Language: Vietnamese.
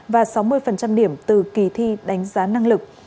và sáu mươi điểm từ kỳ thi đánh giá năng lực